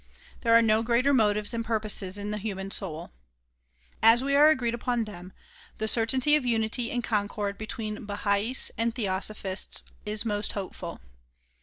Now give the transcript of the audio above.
There are no greater motives and purposes in the human soul. As we are agreed upon them, the certainty of unity and concord between Bahais and Theosophists is most hopeful.